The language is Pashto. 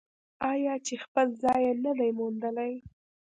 آیا چې خپل ځای یې نه دی موندلی؟